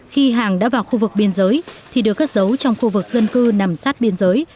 khi hàng đã vào khu vực biên giới thì được cất giấu trong khu vực dân cư nằm sát biên giới